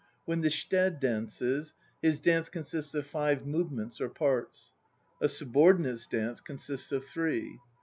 When the shite dances, his dance consists of five "movements" or parts; a "sub ordinate's" dance consists of three.